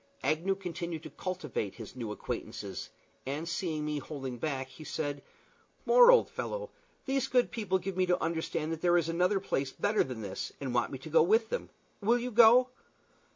Agnew continued to cultivate his new acquaintances, and seeing me holding back, he said, "More, old fellow, these good people give me to understand that there is another place better than this, and want me to go with them. Will you go?"